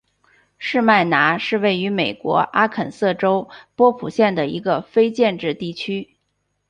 士麦拿是位于美国阿肯色州波普县的一个非建制地区。